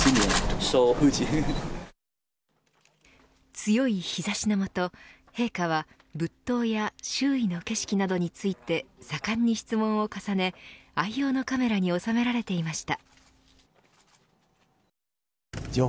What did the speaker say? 強い日差しの下陛下は仏塔や周囲の景色などについて盛んに質問を重ね愛用のカメラに収められていました。